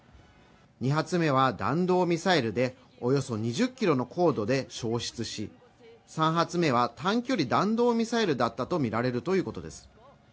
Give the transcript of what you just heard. ２発目は弾道ミサイルでおよそ２０キロの高度で焼失し３発目は短距離弾道ミサイルだったと見られるということです